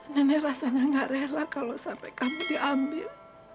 nenek rasanya gak rela kalau sampai kamu diambil